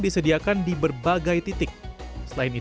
masjid istiqlal kita punya evans